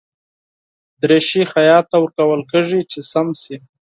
دریشي خیاط ته ورکول کېږي چې سم شي.